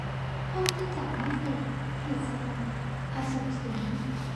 ห้องที่จัดไม่เสร็จ - กฤษณา อโศกสิน